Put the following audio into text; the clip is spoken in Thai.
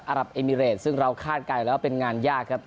สหรัฐอัรับอิมิเรตซึ่งเราคาดกันแล้วว่าเป็นงานยากครับ